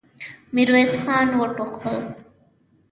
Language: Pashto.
ميرويس خان وټوخل.